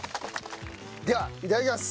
ではいただきます。